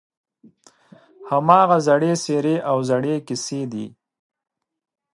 هماغه زړې څېرې او زړې کیسې دي.